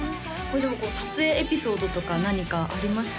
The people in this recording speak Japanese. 撮影エピソードとか何かありますか？